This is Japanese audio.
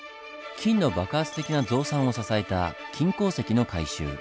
金の爆発的な増産を支えた金鉱石の回収。